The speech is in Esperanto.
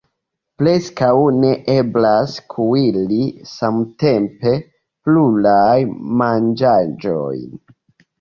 Preskaŭ ne eblas kuiri samtempe plurajn manĝaĵojn.